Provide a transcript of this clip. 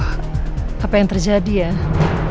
saya yakin ini salah